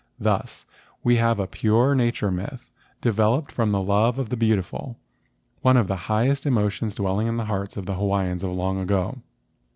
Thus we have a pure nature myth developed from the love of the beautiful, one of the highest emotions dwelling in the hearts of the Hawaiians of the long ago.